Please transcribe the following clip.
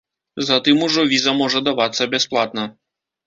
Затым ужо віза можа давацца бясплатна.